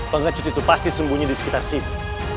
pengecut itu pasti sembunyi di sekitar sini